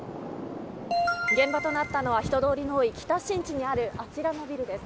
現場となったのは人通りの多い北新地にあるあちらのビルです。